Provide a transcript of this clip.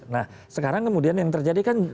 nah sekarang kemudian yang terjadi kan